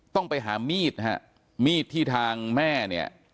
ต้องไปหามีดฮะมีดที่ทางแม่เนี่ย